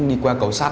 đi qua cầu sắt